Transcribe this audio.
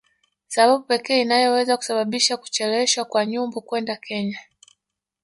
sababu pekee inayoweza kusababisha kuchelewa kwa Nyumbu kwenda Kenya